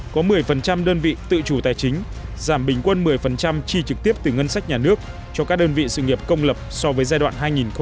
có một mươi đơn vị tự chủ tài chính giảm bình quân một mươi chi trực tiếp từ ngân sách nhà nước cho các đơn vị sự nghiệp công lập so với giai đoạn hai nghìn một mươi sáu hai nghìn một mươi tám